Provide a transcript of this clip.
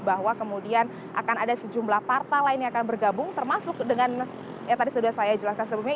bahwa kemudian akan ada sejumlah partai lain yang akan bergabung termasuk dengan yang tadi sudah saya jelaskan sebelumnya